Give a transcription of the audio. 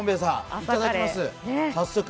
いただきます、早速。